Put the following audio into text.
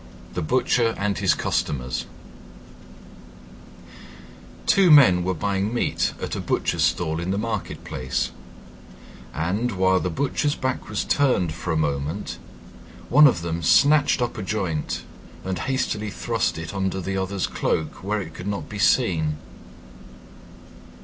THE BUTCHER AND HIS CUSTOMERS Two Men were buying meat at a Butcher's stall in the market place, and, while the Butcher's back was turned for a moment, one of them snatched up a joint and hastily thrust it under the other's cloak, where it could not be seen.